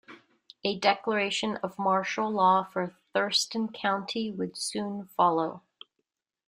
A declaration of martial law for Thurston County would soon follow.